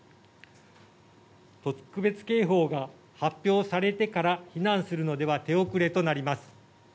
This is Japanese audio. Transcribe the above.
特別警報が発表されてから避難するのでは手遅れとなります。